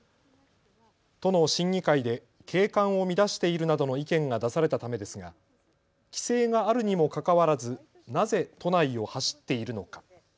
都の審議会で景観を乱しているなどの意見が出されたためですが規制があるにもかかわらずなぜ都内を走っているのか。